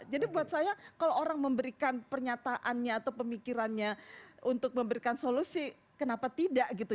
jadi buat saya kalau orang memberikan pernyataannya atau pemikirannya untuk memberikan solusi kenapa tidak gitu